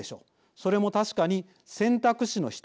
それも確かに選択肢の１つです。